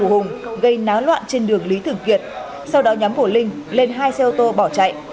hùng gây náo loạn trên đường lý thường kiệt sau đó nhóm của linh lên hai xe ô tô bỏ chạy